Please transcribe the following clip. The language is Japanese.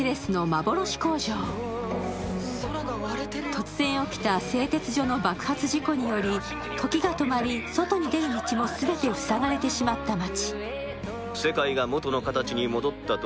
突然起きた製鉄所の爆発事故により時が止まり、外に出る道も全て塞がれてしまった町。